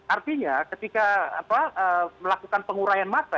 artinya ketika melakukan pengurayan masa